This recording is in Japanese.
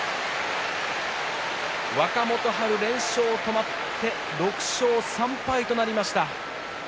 若元春連勝止まって６勝３敗となりました。